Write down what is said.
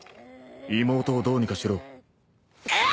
妹をどうにかしろ。